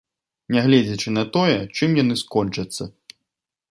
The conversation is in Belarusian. Нягледзячы на тое, чым яны скончацца.